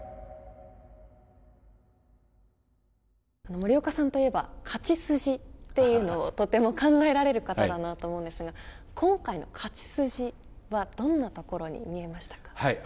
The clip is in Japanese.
森岡さんといえば勝ち筋というのをとても考えられる方だと思うんですが今回の勝ち筋はどんなところに見えましたか。